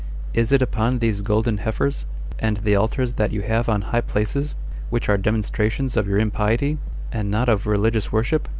Is it upon these golden heifers, and the altars that you have on high places, which are demonstrations of your impiety, and not of religious worship?